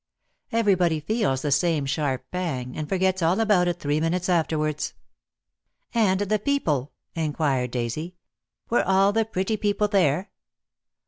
Everybody feels the same sharp pang, and forgets all about it three minutes afterwards. "And the people?" inquired Daisy. "Were all the pretty people there?"